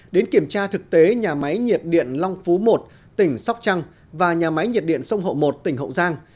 đến kiểm tra thực tế nhà máy nhiệt điện long phú một tỉnh sóc trăng và nhà máy nhiệt điện sông hậu một tỉnh hậu giang